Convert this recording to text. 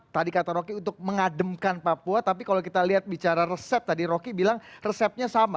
tadi kata rocky untuk mengademkan papua tapi kalau kita lihat bicara resep tadi rocky bilang resepnya sama